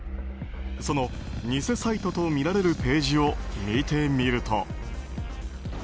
その偽サイトとみられるページを見てみると。